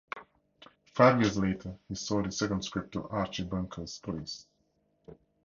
Five years later, he sold his second script to "Archie Bunker's Place".